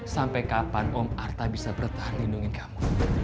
sampai kapan om artha bisa bertahan lindungi kamu